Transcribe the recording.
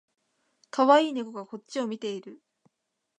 かわいい猫がこっちを見ている